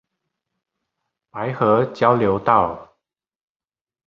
白河交流道